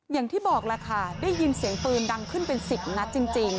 อย่างที่บอกแหละค่ะได้ยินเสียงปืนดังขึ้นเป็น๑๐นัดจริง